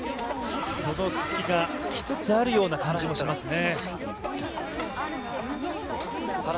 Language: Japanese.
その隙が来つつあるような感じもしますね。